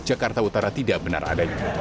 jakarta utara tidak benar adanya